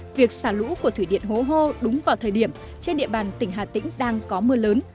việc xả lũ của thủy điện hố hô đúng vào thời điểm trên địa bàn tỉnh hà tĩnh đang có mưa lớn